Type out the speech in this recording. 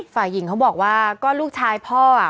ฝ่ายหญิงเขาบอกว่าก็ลูกชายพ่อ